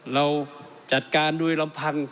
เราจัดการโดยลำพัง